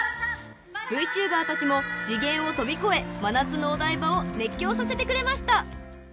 ［ＶＴｕｂｅｒたちも次元を飛び越え真夏のお台場を熱狂させてくれました］